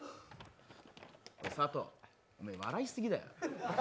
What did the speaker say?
佐藤、お前、笑いすぎだよ。